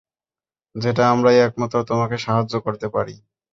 যেটা আমরাই একমাত্র তোমাকে সাহায্য করতে পারি।